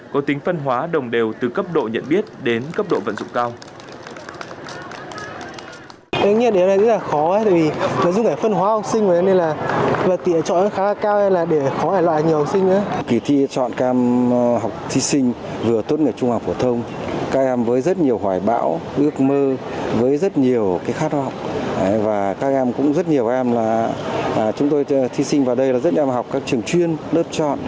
có tính phân hóa đồng đều từ cấp độ nhận biết đến cấp độ vận dụng cao